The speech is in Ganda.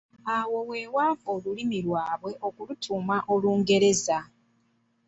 Awo we waava olulimi lwabwe okulutuuma Olungereza.